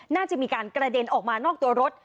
น่าจะมีการกระเด็นออกมานอกตัวรถ